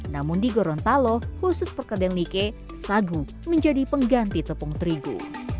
namun di gorontalo khusus perkedel nike sagu menjadi pengganti tepung terigu